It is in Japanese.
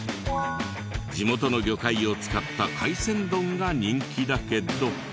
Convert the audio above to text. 地元の魚介を使った海鮮丼が人気だけど。